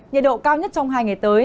nhật độ cao nhất trong hai ngày tới